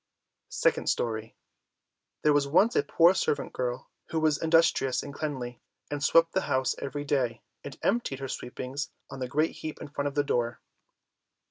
SECOND STORY There was once a poor servant girl, who was industrious and cleanly, and swept the house every day, and emptied her sweepings on the great heap in front of the door.